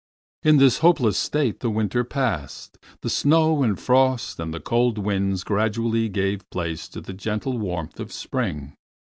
In this hopeless state the winter passed. The snow and frost and the cold winds gradually gave place to the gentle warmth of spring.